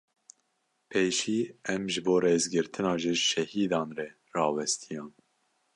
Pêşî em ji bo rêzgirtina ji şehîdan re rawestiyan.